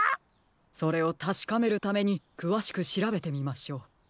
それをたしかめるためにくわしくしらべてみましょう。